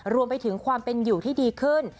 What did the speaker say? รวมไปถึงความเป็นอยู่ที่ดีขึ้น